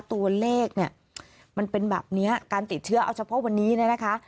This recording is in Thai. ตัวเลขเนี่ยมันเป็นแบบนี้การติดเชื้อเอาเฉพาะวันนี้เนี่ยนะคะ